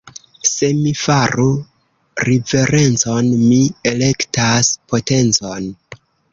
Se mi faru riverencon, mi elektas potencon.